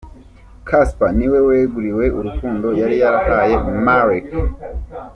Casper niwe weguriwe urukundo yari yarahaye Marc.